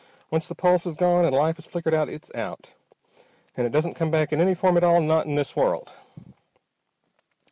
Once the pulse has gone, and life has flickered out, it's out. And it doesn't come back in any form at all, not in this world!"